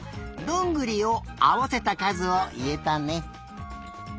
どんぐりをあわせたかずをいえたね。